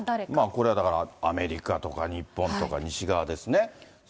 これはだからアメリカとか日本とか西側ですね。